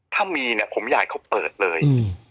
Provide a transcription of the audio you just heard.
ถ้ามีเนี่ยผมอยากให้เขาเปิดเลย